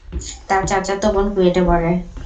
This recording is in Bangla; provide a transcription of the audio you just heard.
তার চাচাতো বোন কুয়েটে পড়ে।